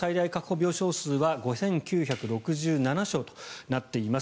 病床数は５９６７床となっています。